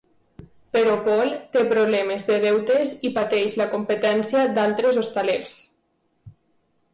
Però Paul té problemes de deutes i pateix la competència d'altres hostalers.